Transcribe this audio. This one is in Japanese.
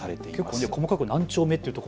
結構、細かく何丁目というところ